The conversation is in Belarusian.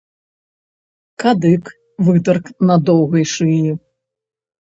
Кадык вытырк на доўгай шыі.